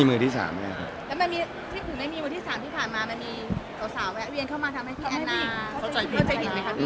มือที่สามมือเก่าสาว